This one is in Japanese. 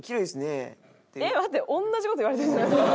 えっ待って同じ事言われてるじゃないですか。